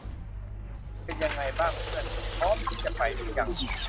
เป็นยังไงบ้างเพื่อน พร้อมที่จะไปหรือยัง ?